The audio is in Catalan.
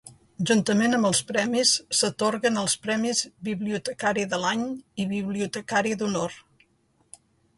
Juntament amb els premis, s'atorguen els premis Bibliotecari de l'any i bibliotecari d'honor.